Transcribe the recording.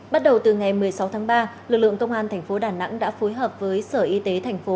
bắt đầu từ ngày một mươi sáu tháng ba lực lượng công an tp đà nẵng đã phối hợp với sở y tế tp